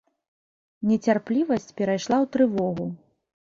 Нецярплівасць перайшла ў трывогу.